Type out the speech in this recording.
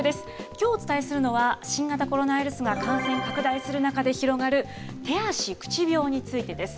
きょうお伝えするのは、新型コロナウイルスが感染拡大する中で広がる、手足口病についてです。